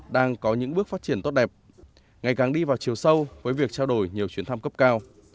đang có những bước phát triển tốt đẹp ngày càng đi vào chiều sâu với việc trao đổi nhiều chuyến thăm cấp cao